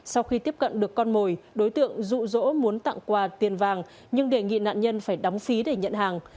sau khi tiếp cận được con mồi đối tượng rụ rỗ muốn tặng quà tiền vàng nhưng đề nghị nạn nhân phải đóng phí để nhận hàng